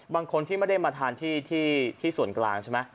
บางคนที่ไม่ได้มาทานที่ส่วนกลางใช่ไหม